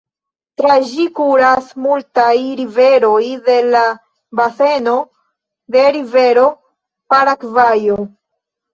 Tra ĝi kuras multaj riveroj de la baseno de rivero Paragvajo.